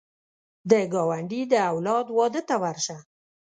د ګاونډي د اولاد واده ته ورشه